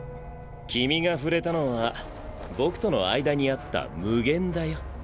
君が触れたのは僕との間にあった「無限」だよ。